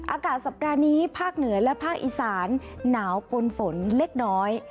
อากาศสัปดาห์นี้ภาคเหนือและภาคอีสานหนาวปนฝนเล็กน้อย